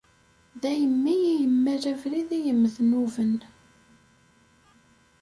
Daymi i yemmal abrid i yimednuben.